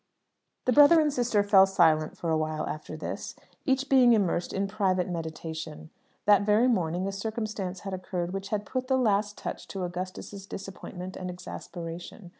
The brother and sister fell silent for a while after this, each being immersed in private meditation. That very morning a circumstance had occurred which had put the last touch to Augustus's disappointment and exasperation.